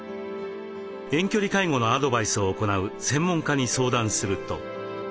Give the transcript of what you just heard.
遠距離介護のアドバイスを行う専門家に相談すると。